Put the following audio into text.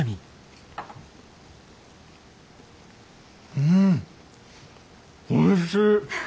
うんおいしい！